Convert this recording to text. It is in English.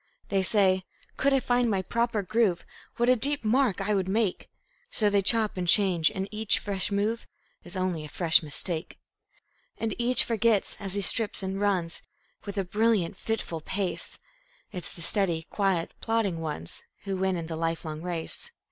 They say: "Could I find my proper groove, What a deep mark I would make!" So they chop and change, and each fresh move Is only a fresh mistake. And each forgets, as he strips and runs With a brilliant, fitful pace, It's the steady, quiet, plodding ones Who win in the lifelong race.